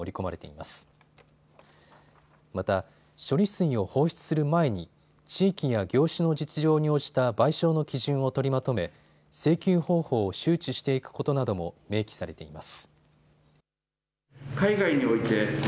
また処理水を放出する前に地域や業種の実情に応じた賠償の基準を取りまとめ請求方法を周知していくことなども明記されています。